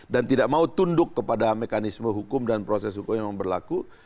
dan tidak mau tunduk kepada mekanisme hukum dan proses hukum yang berlaku